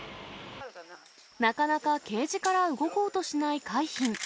なかなかケージから動こうとしない海浜。